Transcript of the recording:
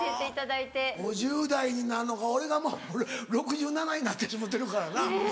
５０代になるのか俺が６７になってしもてるからな。ねぇ！